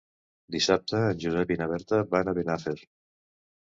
Dissabte en Josep i na Berta van a Benafer.